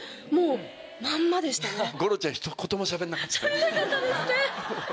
しゃべらなかったですね。